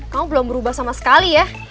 kamu belum berubah sama sekali ya